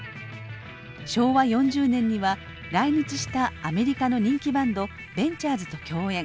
昭和４０年には来日したアメリカの人気バンドベンチャーズと競演。